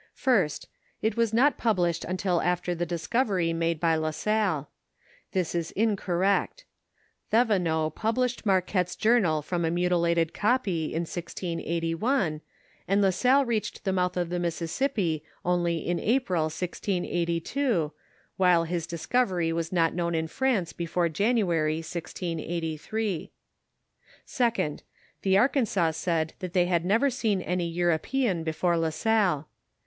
Ist It was not published till after the discovery made by La Salle. This is incorrect Thevenot published Marquette's journal from a mutilated copy, in 1681, and La Salle reached the mouth of the Mississippi only in April, 1682, while his discovery was not known in France before January, 1683. 2d. The Arkansas said that they had never seen any European before La Salle.